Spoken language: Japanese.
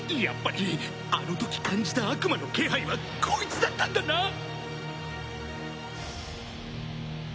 やっぱりあの時感じた悪魔の気配はこいつだったんだな！